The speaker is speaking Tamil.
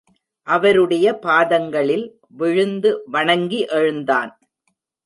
அவருடைய பாதங்களில் விழுந்து வணங்கி எழுந்தான்.